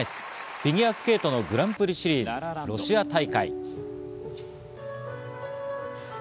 フィギュアスケートのグランプリシリーズ、ロシア大会。